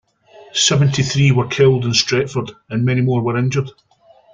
Seventy-three were killed in Stretford, and many more were injured.